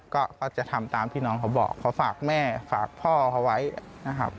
ก็จะทำตามที่น้องเขาบอกเขาฝากแม่ฝากพ่อเขาไว้นะครับ